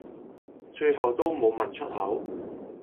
最後都無問出口